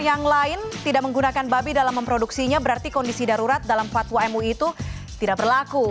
yang lain tidak menggunakan babi dalam memproduksinya berarti kondisi darurat dalam fatwa mui itu tidak berlaku